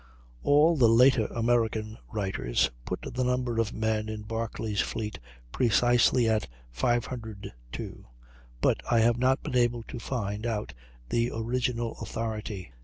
All the later American writers put the number of men in Barclay's fleet precisely at "502," but I have not been able to find out the original authority.